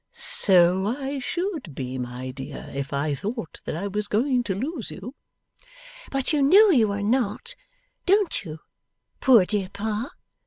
'So I should be, my dear, if I thought that I was going to lose you.' 'But you know you are not; don't you, poor dear Pa?